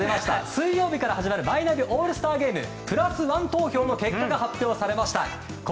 水曜日から始まるマイナビオールスターゲームプラスワン投票の結果が発表されました。